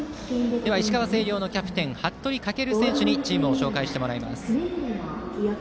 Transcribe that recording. では石川・星稜のキャプテン服部翔選手にチームを紹介してもらいます。